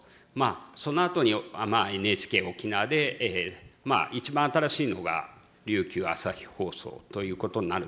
そのあとにＮＨＫ沖縄で一番新しいのが琉球朝日放送ということになるんですが。